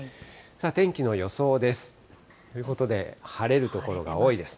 天気の予想です。ということで、晴れる所が多いです。